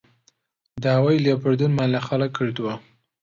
داوای لێبوردنمان لە خەڵک کردووە